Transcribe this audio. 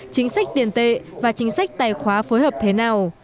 chính sách tiền tệ và chính sách tài khóa phối hợp thế nào